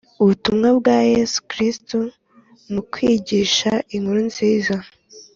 ubutumwa bwa yezu kristu mu kwigisha inkuru nziza